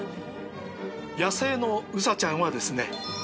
野生のウサちゃんはですね